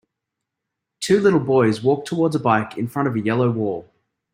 Two little boys walk towards a bike in front of a yellow wall.